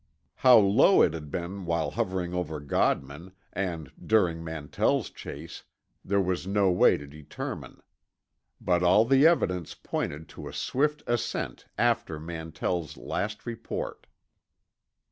How low it had been while hovering over Godman, and during Mantell's chase, there was no way to determine. But all the evidence pointed to a swift ascent after Mantell's last report.